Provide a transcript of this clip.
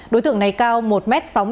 đối tượng này cao một m sáu mươi sáu